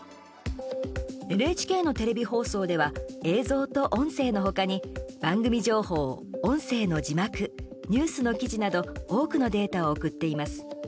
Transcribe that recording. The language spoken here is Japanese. ＮＨＫのテレビ放送では映像と音声の他に番組情報、音声の字幕ニュースの記事など多くのデータを送っています。